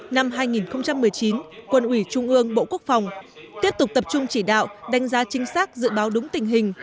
năm hai nghìn một mươi chín quân ủy trung ương bộ quốc phòng tiếp tục tập trung chỉ đạo đánh giá chính xác dự báo đúng tình hình